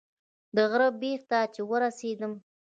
د غره بیخ ته چې ورسېدم.